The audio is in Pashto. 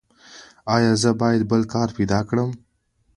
ایا زه باید بل کار پیدا کړم؟